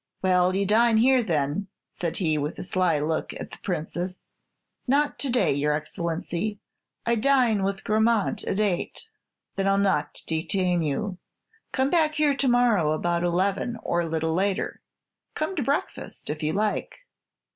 "Well, you dine here, then," said he, with a sly look at the Princess. "Not to day, your Excellency. I dine with Grammont at eight." "Then I'll not detain you. Come back here to morrow about eleven or a little later. Come to breakfast if you like."